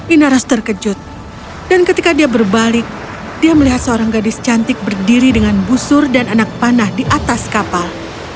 inaros terkejut dan ketika dia berbalik dia melihat seorang gadis cantik berdiri dengan busur dan anak panah di atas kapal